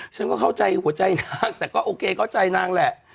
ฉันก็เข้าใจหัวใจนางแต่ก็โอเคเข้าใจนางแหละ